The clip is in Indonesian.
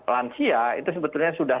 lansia itu sebetulnya sudah